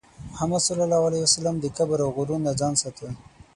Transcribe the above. محمد صلى الله عليه وسلم د کبر او غرور نه ځان ساته.